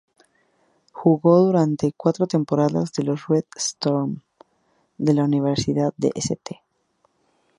Jugó durante cuatro temporadas con los "Red Storm" de la Universidad St.